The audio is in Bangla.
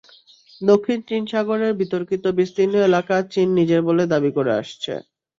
দক্ষিণ চীন সাগরের বিতর্কিত বিস্তীর্ণ এলাকা চীন নিজের বলে দাবি করে আসছে।